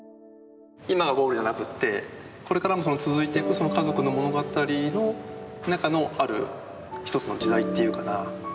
今ゴールじゃなくってこれからも続いていくその家族の物語の中のある一つの時代っていうかな